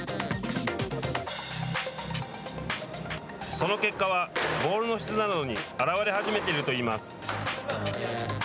その結果は、ボールの質などに現れ始めているといいます。